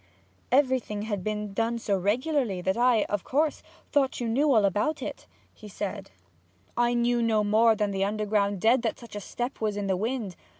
'Everything appeared to have been done so regularly that I, of course, thought you knew all about it,' he said. 'I knew no more than the underground dead that such a step was in the wind!